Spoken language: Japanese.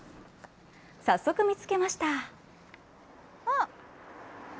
早速見つけました。